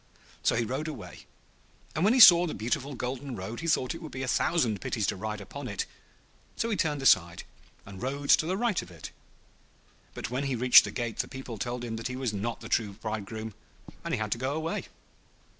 So he rode away, and when he saw the beautiful golden road he thought it would be a thousand pities to ride upon it; so he turned aside, and rode to the right of it. But when he reached the gate the people told him that he was not the true bridegroom, and he had to go away.